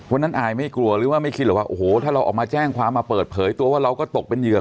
อายไม่กลัวหรือว่าไม่คิดหรอกว่าโอ้โหถ้าเราออกมาแจ้งความมาเปิดเผยตัวว่าเราก็ตกเป็นเหยื่อ